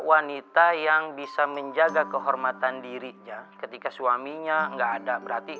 wanita yang bisa menjaga kehormatan dirinya ketika suaminya enggak ada berarti